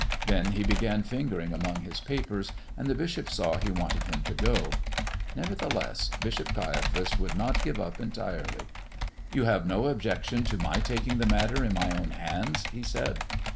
Then he began fingering among his papers, and the bishop saw he wanted him to go. Nevertheless, Bishop Caiaphas would not give up entirely. "You have no objection to my taking the matter in my own hands?" he said.